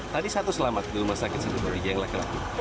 tadi satu selamat di rumah sakit siti barija yang laki laki